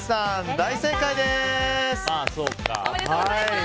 大正解です！